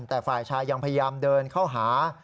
แต่ฝ่ายชายยังพยายามเดินเข้าหา